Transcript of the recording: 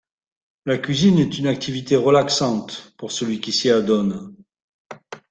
La cuisine est une activité relaxante pour celui qui s'y adonne